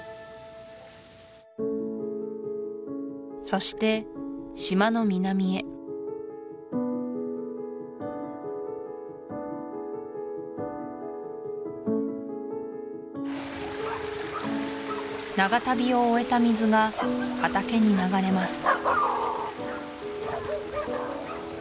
そして島の南へ長旅を終えた水が畑に流れます